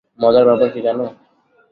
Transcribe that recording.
মজার ব্যাপার কী জানো?